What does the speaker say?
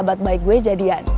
katanya benedict smartphone